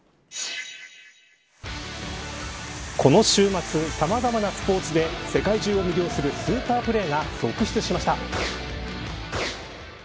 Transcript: この週末さまざまなスポーツで世界中を魅了するスーパープレーが続出しました。